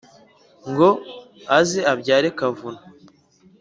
ngo aze abyare kavuna.